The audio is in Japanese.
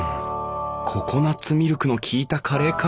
ココナッツミルクの効いたカレーか。